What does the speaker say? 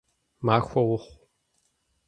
Махуэ ухъу!